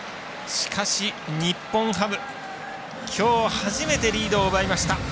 しかし、日本ハムきょう初めてリードを奪いました。